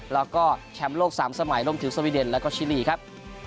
แล้วก็แชมป์โลก๓สมัยรวมถึงสวีเดนแล้วก็ชิลีครับ